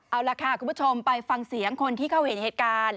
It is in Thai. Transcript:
เอาล่ะค่ะคุณผู้ชมไปฟังเสียงคนที่เขาเห็นเหตุการณ์